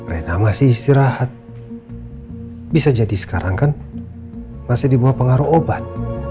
rena masih istirahat bisa jadi sekarang kan masih di bawah pengaruh obat